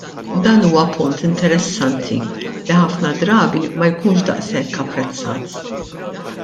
Dan huwa punt interessanti li ħafna drabi ma jkunx daqshekk apprezzat.